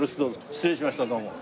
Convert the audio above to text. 失礼しましたどうも。